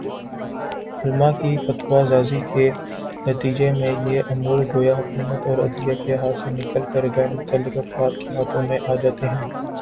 علما کی فتویٰ سازی کے نتیجے میںیہ امور گویا حکومت اورعدلیہ کے ہاتھ سے نکل کر غیر متعلق افراد کے ہاتھوں میں آجاتے ہیں